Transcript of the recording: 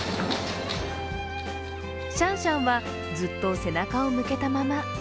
シャンシャンはずっと背中を向けたまま。